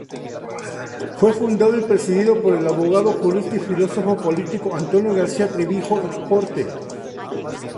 Fue fundado y presidido por el abogado, jurista y filósofo político Antonio García-Trevijano Forte.